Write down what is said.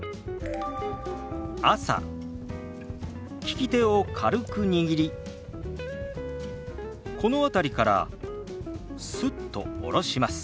利き手を軽く握りこの辺りからスッと下ろします。